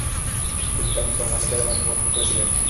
তিনি তা মুসলমানদের মাঝে বন্টন করে দিলেন।